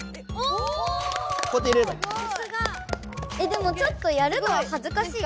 でもちょっとやるのははずかしい。